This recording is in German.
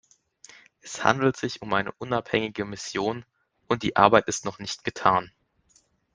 Es handelt sich um eine unabhängige Mission, und die Arbeit ist noch nicht getan.